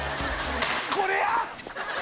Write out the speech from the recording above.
これや！